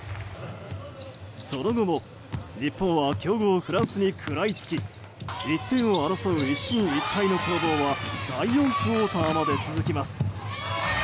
その後も日本は強豪フランスに食らいつき１点を争う一進一退の攻防は第４クオーターまで続きます。